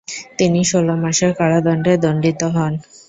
তিনি ষোল মাসের কারাদণ্ডে দণ্ডিত হন।